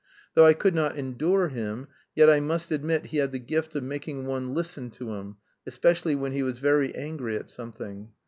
Though I could not endure him, yet I must admit he had the gift of making one listen to him, especially when he was very angry at something.